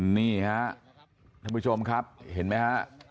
นี่ครับทุกผู้ชมครับเห็นไหมครับ